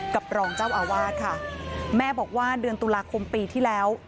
รองเจ้าอาวาสค่ะแม่บอกว่าเดือนตุลาคมปีที่แล้ว